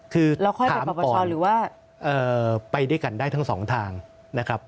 คือถามป่อยไปด้วยกันได้ทั้งสองทางนะครับ